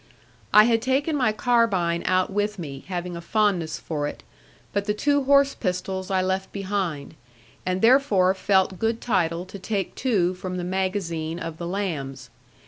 I had taken my carbine out with me, having a fondness for it; but the two horse pistols I left behind; and therefore felt good title to take two from the magazine of the lambs.